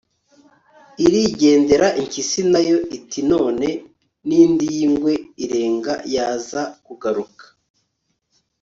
irigendera. impyisi na yo itinone ... ntindi y'ingwe irenga yaza kugaruka